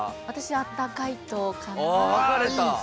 私「あったかいと」かな。